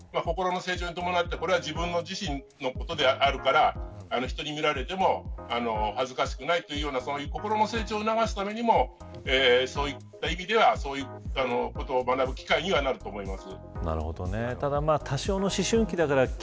自分の体を見せる、あるいは自分の運動能力を見せるということに関しても心の成長に伴ってこれは自分自身のことであるから人に見られても恥ずかしくないというような心の成長を促すためにもそういった意味ではそういったことを学ぶ機会になると思います。